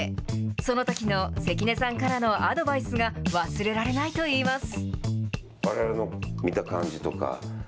そのときの関根さんからのアドバイスが忘れられないといいます。